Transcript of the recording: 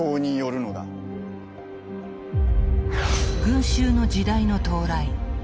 「群衆の時代」の到来。